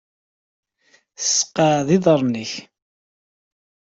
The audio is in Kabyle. Sseqɛed iḍarren-nnek.